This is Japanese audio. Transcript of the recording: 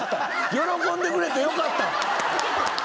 喜んでくれてよかった！